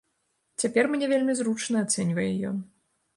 Цяпер мне вельмі зручна, ацэньвае ён.